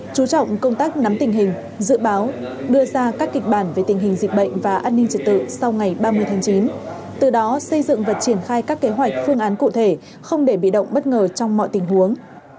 chú trọng công tác nắm tình hình dự báo đưa ra các kịch bản về tình hình dịch bệnh và an ninh trật tự sau ngày ba mươi tháng chín từ đó xây dựng và triển khai các kế hoạch phương án cụ thể không để bị động bất ngờ trong mọi tình huống